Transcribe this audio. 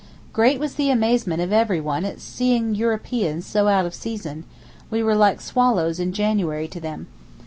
Great was the amazement of everyone at seeing Europeans so out of season; we were like swallows in January to them.